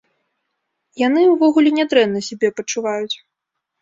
Яны, увогуле нядрэнна сябе пачуваюць.